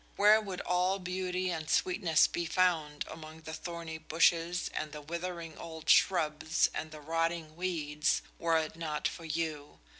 Where would all beauty and sweetness be found among the thorny bushes and the withering old shrubs and the rotting weeds, were it not for you?